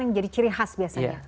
yang jadi ciri khas biasanya